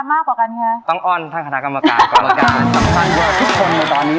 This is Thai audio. สำคัญทุกคน